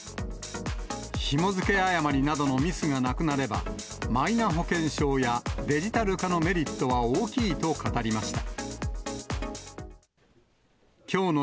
ひも付け誤りなどのミスがなくなれば、マイナ保険証やデジタル化のメリットは大きいと語りました。